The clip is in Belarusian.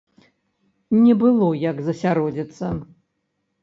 Не было як засяродзіцца.